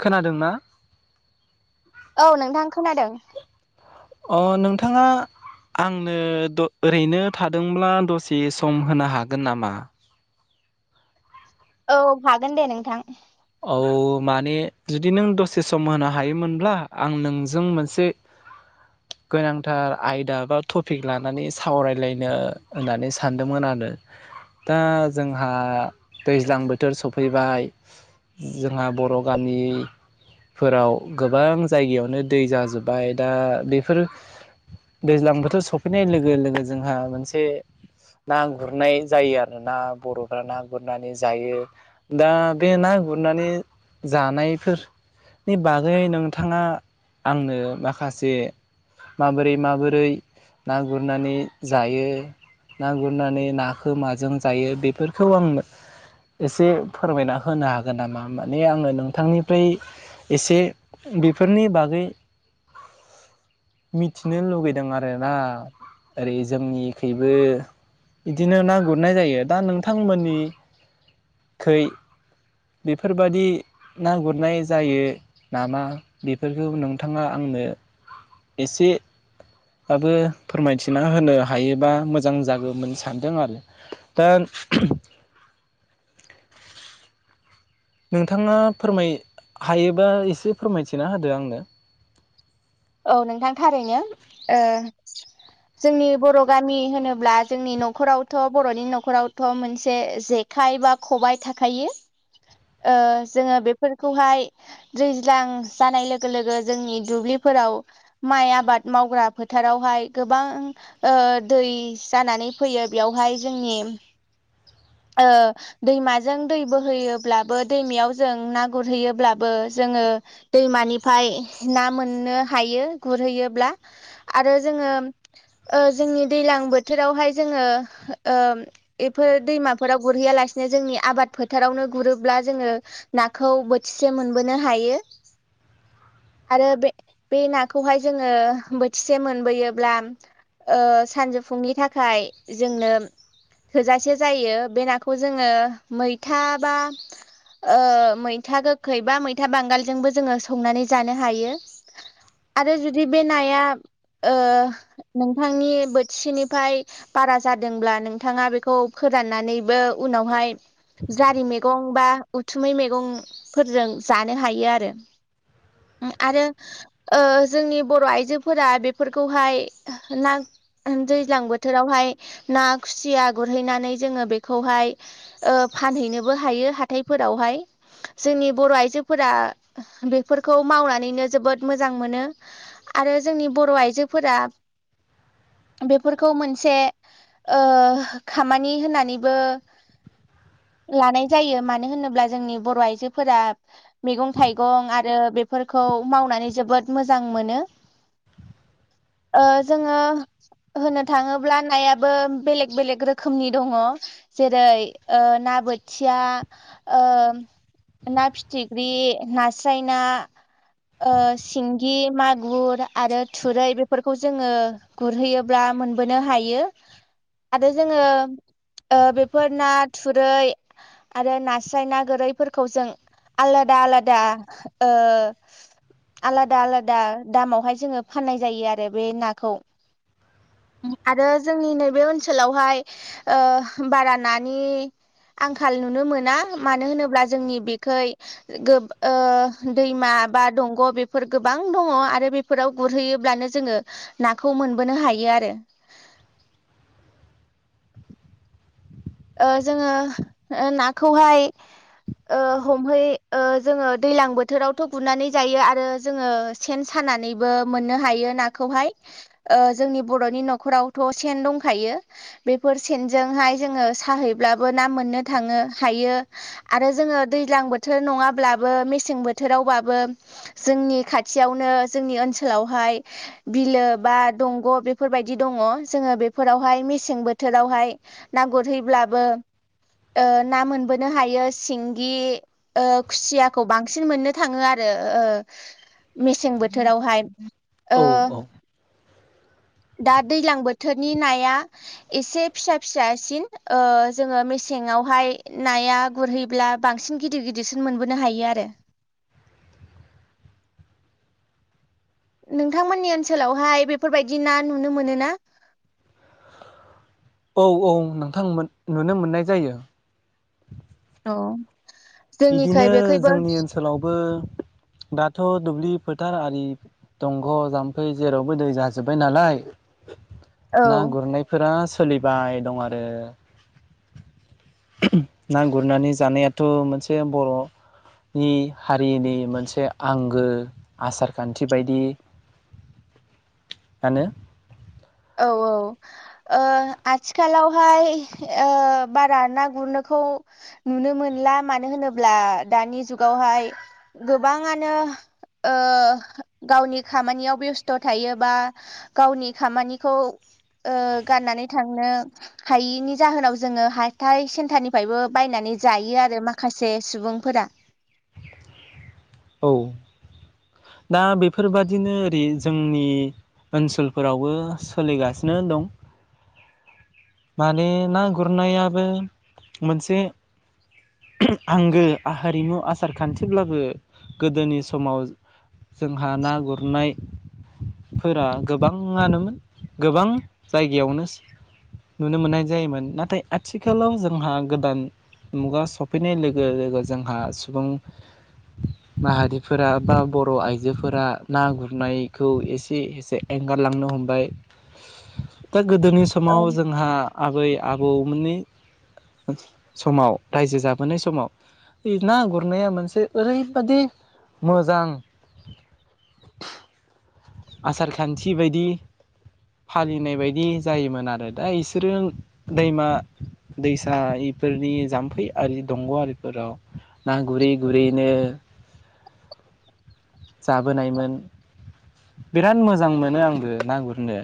खोनादोंना? औ नोंथां खोनादों। अ नोंथाङा आंनो ओरैनो थादोंब्ला दसे सम होनो हागोन नामा? औ हागोन दे नोंथां। औ माने जुदि नों दसे सम होनो हायोमोनब्ला आं नोंजों मोनसे गोनांथार आयदा बा टपिक लानानै सावरायलायनो होननानै सानदोंमोन आरो दा जोंहा दैज्लां बोथोर सफैबाय। जोंहा बर' गामिफोराव गोबां जायगायावनो दै जाजोबबाय दा बेफोर दैज्लां बोथोर सफैनाय लोगो लोगो जोंहा मोनसे ना गुरनाय जायो आरोना बर'फ्रा ना गुरनानै जायो दा बे ना गुरनानै जानायफोरनि बागै नोंथाङा आंनो माखासे माबोरै माबोरै ना गुरनानै जायो ना गुरनानै नाखौ माजों जायो बेफोरखौ आं एसे फोरमायना होनो हाग हागोन नामा माने आङो नोंथांनिफ्राय एसे बेफोरनि बागै मिथिनो लुगैदों आरोना ओरै जोंनिखैबो बिदिनो ना गुरनाय जायो दा नोंथांमोननिखै बेफोरबादि ना गुरनाय जायो नामा बेफोरखौ नोंथाङा आंनो एसेबाबो फोरमायथिना होनो हायोबा मोजां जागौमोन सानदों आरो दा नोंथाङा फोरमाय हायोबा एसे फोरमायथिना होदो आंनो। औ नोंथां थारैनो ओ जोंनि बर' गामि होनोब्ला जोंनि न'खरावथ' बर'नि न'खरावथ' मोनसे जेखाइ बा खबायाइ थाखायो ओ जोङो बेफोरखौहाय दैज्लां जानाय लोगो लोगो जोंनि दुब्लि फोराव माइ आबाद मावग्रा फोथारावहाय गोबां ओ दै जानानै फैयो बेयावहाय जोंनि ओ दैमाजों दै बोहैयोब्लाबो दैमायाव जों ना गुरहैयोब्लाबो जोङो दैमानिफ्राय ना मोन नो हायो गुरहैयोब्ला आरो जोङो ओ जोंनि दैज्लां बोथोरावहाय जोङो ओ बेफोर दैमाफोराव गुरहैयालासिनो जोंनि आबाद फोथारावनो गुरोब्ला जोङो नाखौ बोथिसे मोनबोनो हायो आरो बे बे नाखौहाय जोङो बोथिसे मोनबोयोब्ला ओ सानजौफुंनि थाखाय जोंनो थोजासे जायो बे नाखौ जोङो मैथा बा ओ मैथा गोखै बा ओ मैथा बांगालजोंबो जोङो संनानै जानो हायो। आरो जुदि बे नाया ओ नोंथांनि बोथिसेनिफ्राय बारा जादोंब्ला नोंथाङा बेखौ फोराननानैबो उनावहाय जारि मैगं बा उथुमै मैगंफोरजों जानो हायो आरो आरो ओ जोंनि बर' आइजोफोरा बेफोरखौहाय ना दैज्लां बोथोरावहाय ना खुसिया गुरहैनानै जोङो बेखौहाय ओ फानहैनोबो हायो हाथायफोरावहाय जोंनि बर' आइजोफोरा बेफोरखौ मावनानैनो जोबोद मोजां मोनो आरो जोंनि बर' आइजोफोरा बेफोरखौ मोनसे ओ खामानि होननानैबो लानाय जायो मानो होनोब्ला जोंनि बर' आइजोफोरा मैगं थाइगं आरो बेफोरखौ मावनानै जोबोद मोजां मोनो ओ जोङो होननो थाङोब्ला नायाबो बेलेग बेलेग रोखोमनि दङ जेरै ओ ना बोथिया ओ ना फिथिख्रि नास्राय ना। ओ सिंगि मागुर आरो थुरै बेफोरखौ जोङो गुरहैयोब्ला मोनबोनो हायो आरो जोङो ओ बेफोर ना थुरै आरो नास्राय ना गोरैफोरखौ जों आलादा आलादा ओ आलादा आलादा दामावहाय जोङो फाननाय जायो आरो बे नाखौ आरो जोंनि नैबे ओनसोलावहाय ओ बारा नानि आंखाल नुनो मोना मानो होनोब्ला जोंनि बेखै ओ दैमा बा दं ग बेफोर गोबां दङ आरो बेफोराव गुरहैयोब्लानो जोङो नाखौ मोनबोनो हायो आरो। ओ जोङो ओ नाखौहाय ओ हमहै ओ जोङो दैजलां बोथोरावथ' बुरनानै जायो आरो जोङो सेन सानानैबो मोननो हायो नाखौहाय ओ जोंनि बर'नि न'खरावथ' सेन दंखायो बेफोर सेनजोंहाय जोङो साहैब्लाबो ना मोननो थाङो हायो आरो जोङो दैज्लां बोथोर नङाब्लाबो मेसें बोथोरावबाबो जोंनि खाथियावनो जोंनि ओनसोलावहाय बिलो बा दंग' बेफोरबायदि दङ जोङो बेफोरावहाय मेसें बोथोरावहाय ना गुर गुरहैब्लाबो ओ ना मोनबोनो हायो सिंगि ओ खुसियाखौ बांसिन मोननो थाङो आरो ओ मेसें बोथोरावहाय। औ ओ औ। दा दैलां बोथोरनि नाया एसे फिसा फिसासिन ओ जोङो मेसेंआवहाय नाया गुरहैब्ला बांसिन गिदिर गिदिरसिन मोनबोनो हायो आरो। नोंथांमोननि ओनसोलावहाय बेफोरबायदि ना नुनो मोनोना? औ औ नोंथां मोन नुनो मोननाय जायो। औ। जोंनिखै बिदिनो बेखैबो जोंनि ओनसोलावबो दाथ' दुब्लि फोथार आरि दंग', जाम्फै जेरावबो दै जाजोब्बाय नालाय। औ ना गुरनायफोरा सोलिबाय दं आरो ना गुरनानै जानायाथ' मोनसे से बर'नि हारिनि मोनसे आंगो आसार खान्थि बायदि। मानो? औ औ ओ आथिखालावहाय ओ बारा ना गुरनोखौ नुनो मोनला मानो होनोब्ला दानि जुगावहाय गोबाङानो ओ गावनि खामानियाव बेस्थ' थायोबा गावनि खामानि खौ ओ गाननानै थांनो हायैनि जाहोनाव जोङो हाथाय सेन्टारनिफ्रायबो बायनानै जायो आरो माखासे सुबुंफोरा। औ। दा बेफोरबादिनो ओरै जोंनि ओनसोलफोरावबो सोलिगासिनो दं। माने ना गुरनायाबो मोनसे आंगो हारिमु आसार खान्थिब्लाबो गोदोनि समाव जोंहा ना गुरनायफोरा गोबाङानोमोन गोबां जायगायावनो नुनो मोननाय जायोमोन नाथाय आथिखालाव जोंहा गोदान मुगा सफैनाय लोगो लोगो जोंहा सुबुं माहारिफोरा बा बर' आइजोफोरा ना गुरनायखौ एसे एसे एंगारलांनो हमबाय। दा गोदोनि औ समाव जोंहा आबै आबौमोननि समाव रायजो जाबोनाय समाव ना गुरनाया मोनसे ओरैबादि मोजां आसार खान्थि बायदि फालिनाय बायदि जायोमोन आरो दा इसोरो दैमा दैसा इफोरनि जाम्फै आरि दंग' आरिफोराव ना गुरै गुरैनो जाबोनायमोन। बिराद मोजां मोनो आंबो ना गुरनो।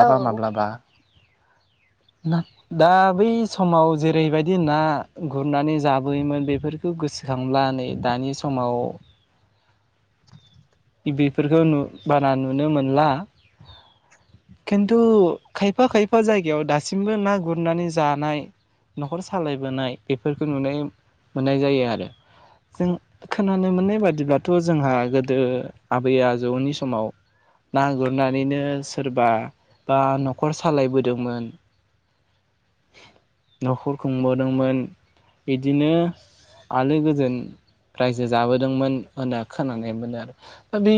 औ माब्लाबा। ना दा बै समाव जेरैबायदि ना गुरनानै जाबोयोमोन बेफोरखौ गोसोखांब्ला नै दानि समाव बेफोरखौ नु बारा नुनो मोनला खिन्थु खायफा खायफा जायगायाव दासिमबो ना गुरनानै जानाय न'खर सालायबोनाय बेफोरखौ नुनो मोननाय जायो आरो जों खोनानो मोननाय बादिब्लाथ' जोंहा गोदो आबै आजौनि समाव ना गुरनानैनो सोरबा बा न'खर सालायबोदोंमोन न'खर खुंबोदोंमोन बिदिनो आलो गोजोन रायजो जाबोदोंमोन होनना खोनानायमोन आरो। दा बै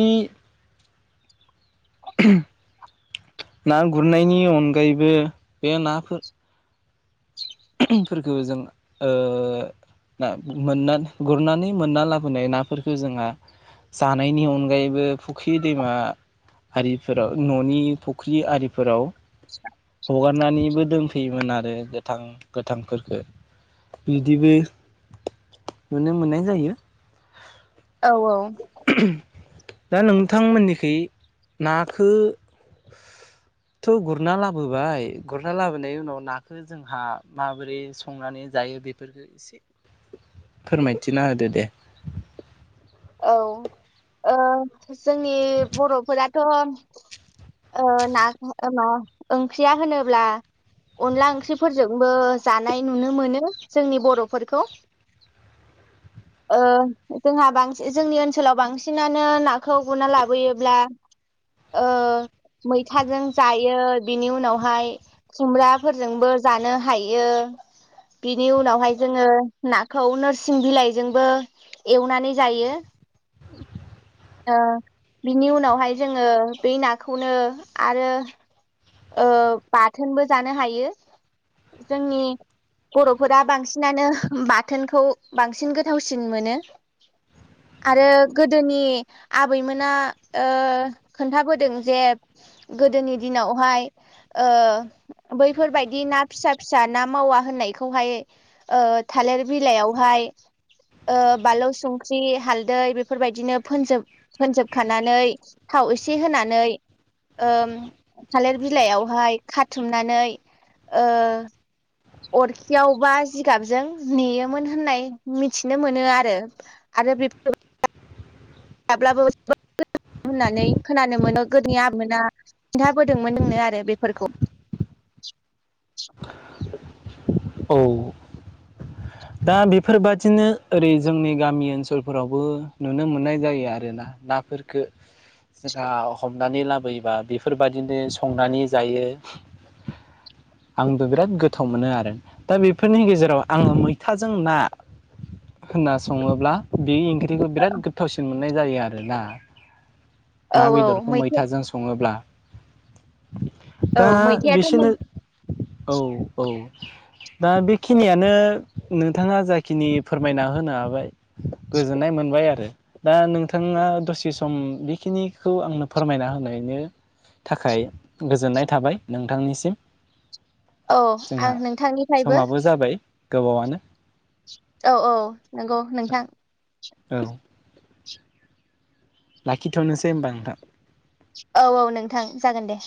ना गुरनायनि अनगायैबो बे नाफोर [unintelligible] फोरखौ जों ओ ना मोनना गुरनानै मोनना लाबोनाय नाफोरखौ जोंहा जानायनि अनगायैबो फुख्रि दैमा आरिफोराव न'नि फुख्रि आरिफोराव [unintelligible] हगारनानैबो दोनफैयोमोन आरो गोथां गोथांफोरफोरखो इदिबो नुनो मोननाय जायो। औ औ। दा नोंथांमोननिखै नाखोथ' गुरना लाबोबाय गुरना लाबोनाय उनाव नाखो जोंहा माबोरै संनानै जायो बेफोरफोरखो एसे फोरमायथिना होदो दे। औ ओ जोंनि बर'फोराथ' ओ ना ओ मा ओंख्रिया होनोब्ला अनला ओंख्रिफोरजोंबो जानाय नुनो मोनो जोंनि बर'फोरखौ, ओ जोंहा बांसिन जोंनि ओनसोलाव बांसिनानो नाखौ गुरना लाबोयोब्ला ओ मैथाजों जायो बिनि उनावहाय खुमब्राफोरजोंबो जानो हायो बिनि उनावहाय जोङो नाखौ नोरसिं बिलाइजोंबो एवनानै जायो। ओ बिनि उनावहाय जोङो बि नाखौनो आरो ओ बाथोनबो जानो हायो जोंनि बर'फोरा बांसिनानो बाथोनखौ बांसिन गोथावसिन मोनो आरो गोदोनि आबैमोना ओ खोन्थाबोदों जे गोदोनि दिनाव हाय ओ बैफोरबायदि ना फिसा फिसा ना मावा होननायखौहाय ओ थालिर बिलाइयावहाय ओ बालौ संख्रि हालदै बेफोरबायदिनो फोनजोब फोनजोबखानानै थाव एसे होनानै ओम थालिर बिलाइआवहाय खाथुमनानै ओ अरखियाव बा जिगाबजों नेयोमोन होननाय मिथिनो मोनो आरो आरो बेफो [unintelligible] हाब्लाबो [unintelligible] होननानै खोनानो मोनो गोदोनि आबैमोना खिन्थाबोदोंमोन जोंनो आरो बेफोरखौ औ दा बेफोरबादिनो ओरै जोंनि गामि ओनसोलफोरावबो नुनो मोननाय जायो आरोना नाफोरफोरखो जोंहा हमनानै लाबोयोबा बेफोरबायदिनो संनानै जायो आंबो बिराद गोथाव मोनो आरो दा बेफोरनि गेजेराव आङो मै थाजों ना होनना सङोब्ला बे ओं ख्रिखौ बिराद गोथावसिन मोन नाय जायो आरोना औ ना औ बेदरखौ मैथे मैथाजों सङोब्ला औ दा मैथायाथ' बिसोनो मोन औ औ दा बेखिनियानो नोंथाङा जाखिनि फोरमायना होनो हाबाय गोजोननाय मोनबाय आरो दा नोंथाङा दसे सम बेखिनिखौ आंनो फोरमायना होनायनि थाखाय गोजोननाय थाबाय नोंथांनिसिम। औ जोंहा आं नोंथांनिफ्रायबो समाबो जाबाय गोबावानो औ औ नंगौ नोंथां औ लाखिथ'नोसै होमबा नोंथां। औ औ नोंथां। जागोन दे।